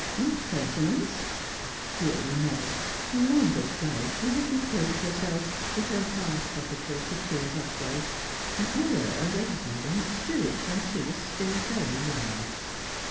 Impertinence! Surely not. Long ago she had reproached herself with her half coquetry to Piers Otway, an error of exuberant spirits when she was still very young.